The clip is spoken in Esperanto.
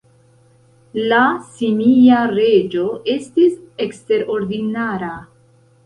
La simia reĝo estis eksterordinara.